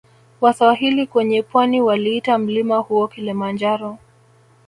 Waswahili kwenye pwani waliita mlima huo Kilimanjaro